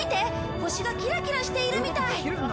星がキラキラしているみたい！